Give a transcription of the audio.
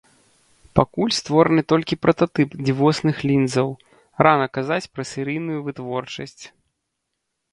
Пакуль створаны толькі прататып дзівосных лінзаў, рана казаць пра серыйную вытворчасць.